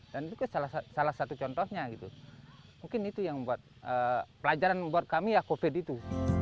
dan itu kan salah satu contohnya gitu mungkin itu yang membuat pelajaran membuat kami ya covid itu